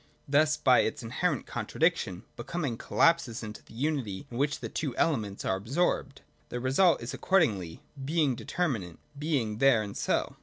Thus by its inherent contradiction Becoming collapses into the unity in which the two elements are absorbed. This result is accordingly Being Determinate, (Being there and so.)